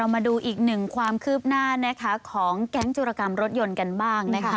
มาดูอีกความคืบหน้าของแก๊งจุรกรรมรถยนต์กันบ้าง